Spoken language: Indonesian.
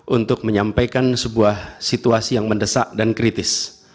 untuk menyampaikan sebuah situasi yang mendesak dan kritis